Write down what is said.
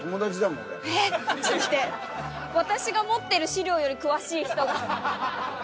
私が持ってる資料より詳しい人が。